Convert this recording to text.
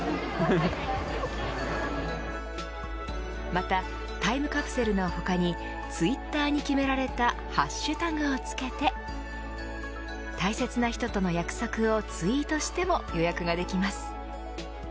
また、タイムカプセルの他にツイッターに決められたハッシュタグをつけて大切な人との約束をツイートしても予約ができます。